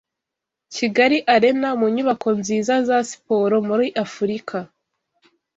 Kigali Arena, mu nyubako nziza za siporo muri Afurika